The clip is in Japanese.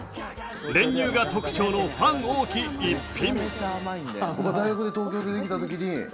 練乳が特徴のファン多き一品。